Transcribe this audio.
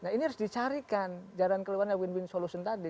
nah ini harus dicarikan jalan keluarnya win win solution tadi